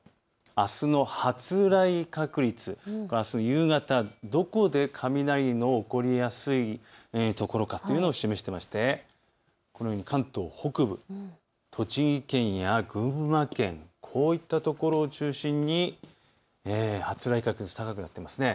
あすの発雷確率、あすの夕方、どこで雷が起こりやすいところかというのを示していて関東北部、栃木県や群馬県、こういったところを中心に発雷確率、高くなっています。